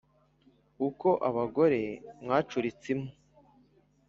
Uko abagore mwacuritse impu,